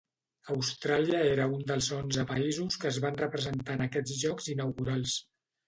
Austràlia era un dels onze països que es van representar en aquests Jocs inaugurals.